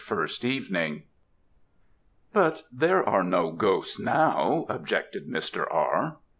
FIRST EVENING. "But there are no ghosts now," objected Mr. R.